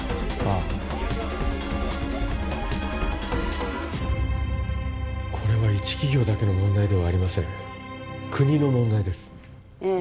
あこれは一企業だけの問題ではありません国の問題ですええ